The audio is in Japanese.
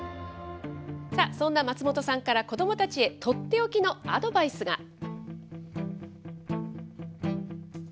そんな松本さんから、子どもたちへ、取って置きのアドバイスが。